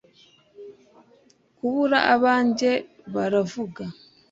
kubura abanjye-baravuga